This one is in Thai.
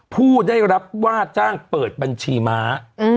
ผู้ได้รับว่าจ้างเปิดบัญชีม้า